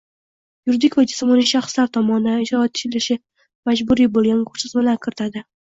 yuridik va jismoniy shaxslar tomonidan ijro etilishi majburiy bo‘lgan ko‘rsatmalar kiritadi